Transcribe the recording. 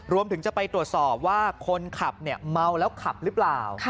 รวมถึงจะไปตรวจสอบว่าคนขับเมาแล้วขับหรือเปล่า